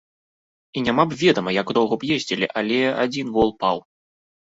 І няма б ведама, як доўга б ездзілі, але адзін вол паў.